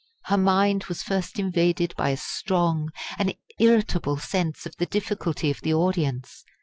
Her mind was first invaded by a strong, an irritable sense of the difficulty of the audience.